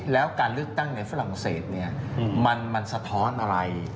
แล้วการเลือกตั้งในฝรั่งเศสเนี่ยมันสะท้อนอะไร